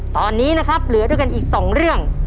ตอนนี้นะครับเหลือด้วยกันอีก๒เรื่อง